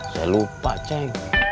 saya lupa cek